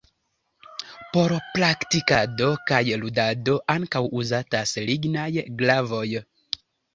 Por praktikado kaj ludado ankaŭ uzatas lignaj glavoj.